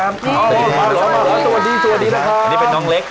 สวัสดีสวัสดีสวัสดีนะคะนี่เป็นน้องเล็ก